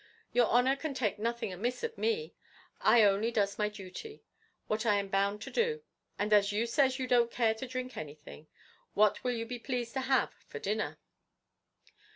Your honour can take nothing amiss of me; I only does my duty, what I am bound to do; and, as you says you don't care to drink anything, what will you be pleased to have for dinner?"